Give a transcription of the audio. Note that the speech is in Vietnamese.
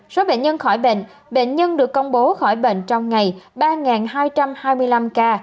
số bệnh nhân khỏi bệnh bệnh nhân được công bố khỏi bệnh trong ngày ba hai trăm hai mươi năm ca